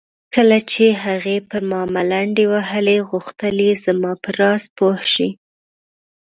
کله چې هغې پر ما ملنډې وهلې غوښتل یې زما په راز پوه شي.